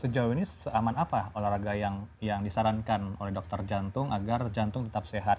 sejauh ini seaman apa olahraga yang disarankan oleh dokter jantung agar jantung tetap sehat